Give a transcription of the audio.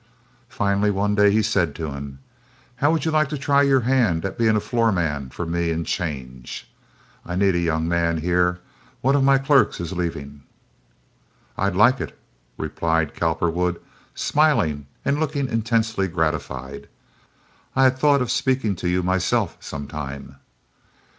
Finally, one day he said to him: "How would you like to try your hand at being a floor man for me in 'change? I need a young man here. One of my clerks is leaving." "I'd like it," replied Cowperwood, smiling and looking intensely gratified. "I had thought of speaking to you myself some time."